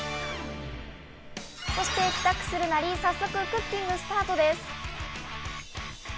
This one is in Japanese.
そして帰宅するなり早速、クッキングスタートです。